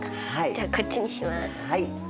じゃあこっちにします。